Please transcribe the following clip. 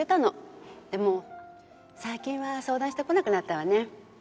でも最近は相談してこなくなったわね。